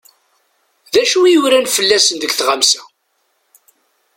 D acu i uran fell-asen deg tɣamsa?